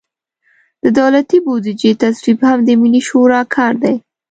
د دولتي بودیجې تصویب هم د ملي شورا کار دی.